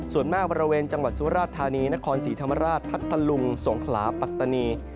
ส่วนมากบริเวณจังหวัดสุราชธานีนครศรีธรรมราชพัทธลุงสงขลาปัตตานี